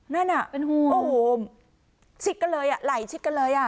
นั่นอ่ะเป็นห่วงโอ้โหชิดกันเลยอ่ะไหลชิดกันเลยอ่ะ